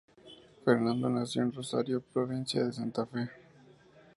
Fernando nació en Rosario, provincia de Santa Fe.